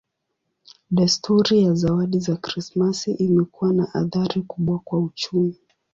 Desturi ya zawadi za Krismasi imekuwa na athari kubwa kwa uchumi.